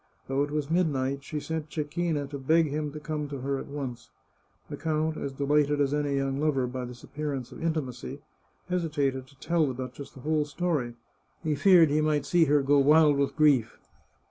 Though it was midnight, she sent Cecchina to beg him to come to her at once. The count, as delighted as any young lover by this appearance of intimacy, hesitated to tell the duchess the whole story. He feared he might see her go wild with grief.